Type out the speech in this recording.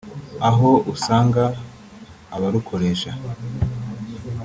aho usanga abarukoresha